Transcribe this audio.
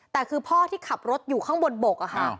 แต่คือพ่อที่ขับรถอยู่ข้างบนบก